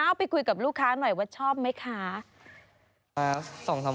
เอาไปคุยกับลูกค้าหน่อยว่าชอบไหมคะ